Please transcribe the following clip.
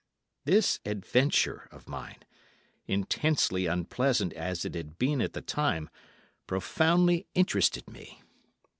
This adventure of mine, intensely unpleasant as it had been at the time, profoundly interested me.